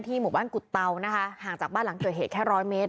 หมู่บ้านกุฎเตานะคะห่างจากบ้านหลังเกิดเหตุแค่ร้อยเมตร